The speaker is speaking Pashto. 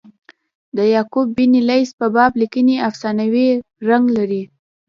د یعقوب بن لیث په باب لیکني افسانوي رنګ لري.